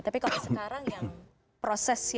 tapi kalau sekarang yang prosesnya